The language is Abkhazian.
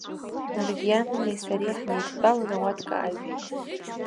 Маргиании сареи ҳнеидтәалан, ауатка аажәит.